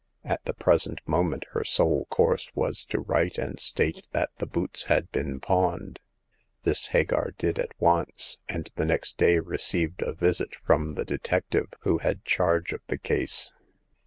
At the present moment, her sole course was to write and state that the boots had been pawned. This Hagar did at once, and the next day received a visit from the de tective who had charge of the case.